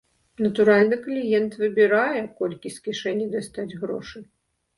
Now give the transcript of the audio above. Натуральна, кліент выбірае, колькі з кішэні дастаць грошай.